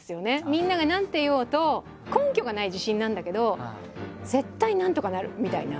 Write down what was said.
みんなが何て言おうと根拠がない自信なんだけど絶対なんとかなる！みたいな。